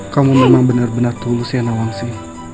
kamu memang benar benar tulus ya nawangsi